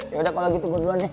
yaudah kalau gitu gue duluan ya